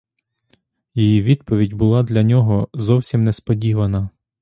Її відповідь була для нього зовсім несподівана.